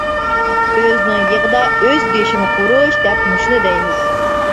ئۆزىنىڭ يېغىدا ئۆز گۆشىنى قورۇش دەپ مۇشۇنى دەيمىز.